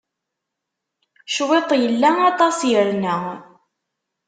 Cwiṭ illa, aṭas irna.